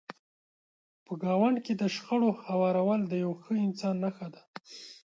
په ګاونډ کې د شخړو هوارول د یو ښه انسان نښه ده.